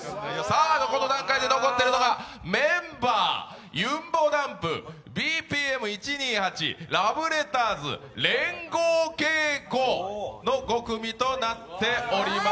この段階で残っているのがメンバーゆんぼだんぷ、ＢＰＭ１２８、ラブレターズ、連合稽古の５組となっております。